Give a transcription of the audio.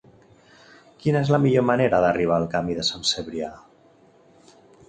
Quina és la millor manera d'arribar al camí de Sant Cebrià?